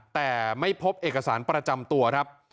แต่ไม่พบเอกสารประจำตัวครับ